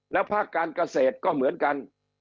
แล้วภาคการเกษตรก็เหมือนกัน